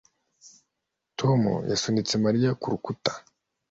Tom yasunitse Mariya ku rukuta